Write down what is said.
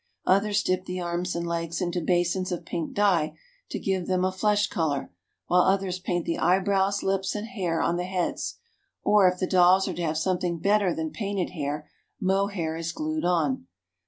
Others dip the arms and legs into basins of pink dye to give them a flesh color, while others paint the eyebrows, lips, and hair on the heads; or if the dolls are to have something better than painted hair, mohair is glued on.